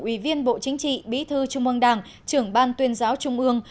ủy viên bộ chính trị bí thư trung ương đảng trưởng ban tuyên giáo trung ương